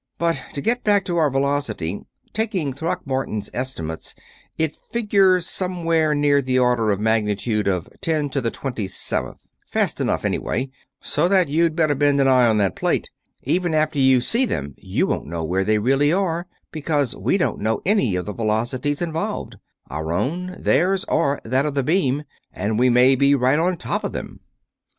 But to get back to our velocity taking Throckmorton's estimates it figures somewhere near the order of magnitude of ten to the twenty seventh. Fast enough, anyway, so that you'd better bend an eye on that plate. Even after you see them you won't know where they really are, because we don't know any of the velocities involved our own, theirs, or that of the beam and we may be right on top of them."